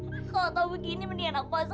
kalau tahu begini mending anak bos kerja